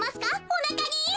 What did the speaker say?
おなかに！